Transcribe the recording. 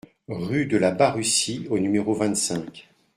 Rue de la Barrussie au numéro vingt-cinq